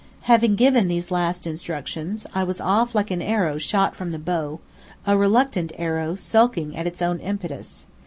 Having given these last instructions, I was off like an arrow shot from the bow, a reluctant arrow sulking at its own impetus.